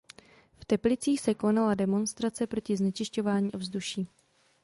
V Teplicích se konala demonstrace proti znečišťování ovzduší.